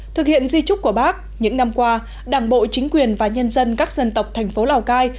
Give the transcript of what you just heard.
thực hiện di trúc của bác những năm qua đảng bộ chính quyền và nhân dân các dân tộc thành phố lào cai